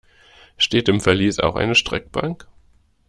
Steht im Verlies auch eine Streckbank?